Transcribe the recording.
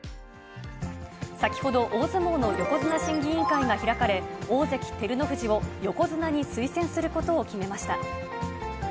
先ほど、大相撲の横綱審議委員会が開かれ、大関・照ノ富士を横綱に推薦することを決めました。